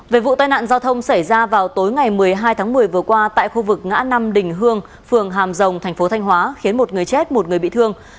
về vụ tai nạn giao thông xảy ra vào tối ngày một mươi hai tháng một mươi vừa qua tại khu vực ngã năm đình hương phường hàm rồng thành phố thanh hóa khiến một người chết một người bị thương